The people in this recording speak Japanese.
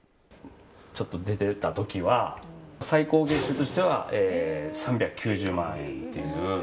ちょっと出てた時は最高月収としては３９０万円っていう。